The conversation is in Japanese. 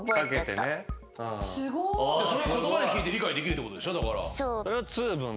それを言葉で聞いて理解できるってことでしょ。